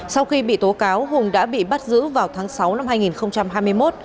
sau khi bị tố cáo hùng đã bị bắt giữ vào tháng sáu năm hai nghìn hai mươi một